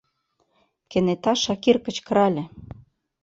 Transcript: — кенета Шакир кычкырале.